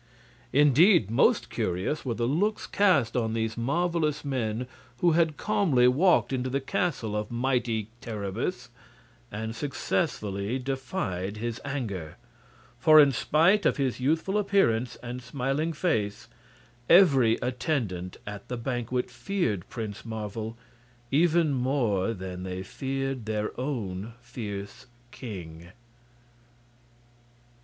Indeed, most curious were the looks cast on these marvelous men who had calmly walked into the castle of mighty Terribus and successfully defied his anger; for in spite of his youthful appearance and smiling face every attendant at the banquet feared Prince Marvel even more than they feared their own fierce king.